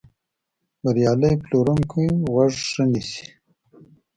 بریالی پلورونکی غوږ ښه نیسي.